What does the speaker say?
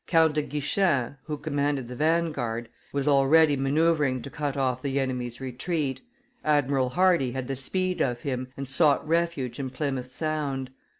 Count de Guichen, who commanded the vanguard, was already manoeuvring to cut off the enemy's retreat; Admiral Hardy had the speed of him, and sought refuge in Plymouth Sound.